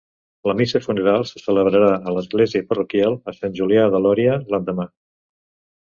La missa funeral se celebrà a l'església parroquial de Sant Julià de Lòria l'endemà.